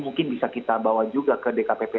mungkin bisa kita bawa juga ke dkpp